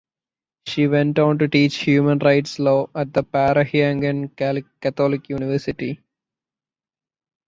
She went on to teach Human Rights Law at the Parahyangan Catholic University.